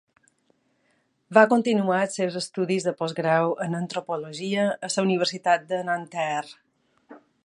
Va continuar els seus estudis de postgrau en Antropologia a la Universitat de Nanterre.